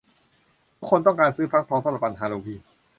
ทุกคนต้องการซื้อฟักทองสำหรับวันฮาโลวีน